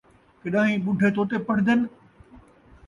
کݙان٘ہیں ٻڈھے طوطے پڑھدِن ؟